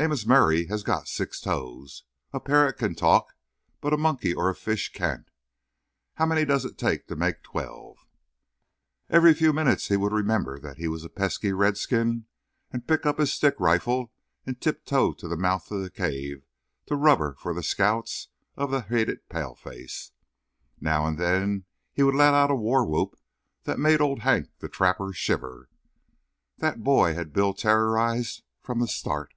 Amos Murray has got six toes. A parrot can talk, but a monkey or a fish can't. How many does it take to make twelve?" Every few minutes he would remember that he was a pesky redskin, and pick up his stick rifle and tiptoe to the mouth of the cave to rubber for the scouts of the hated paleface. Now and then he would let out a war whoop that made Old Hank the Trapper shiver. That boy had Bill terrorized from the start.